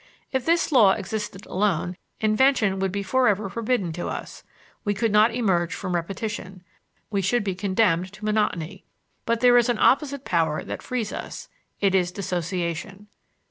If this law existed alone, invention would be forever forbidden to us; we could not emerge from repetition; we should be condemned to monotony. But there is an opposite power that frees us it is dissociation.